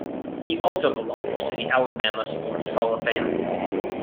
He also belongs to the Alabama Sports Hall of Fame.